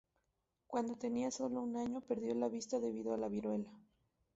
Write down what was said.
Cuando tenía sólo un año, perdió la vista debido a la viruela.